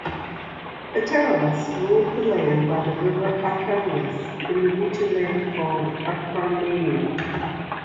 Pterelaus ruled the land by the River Achelous, in the region later called Acarnania.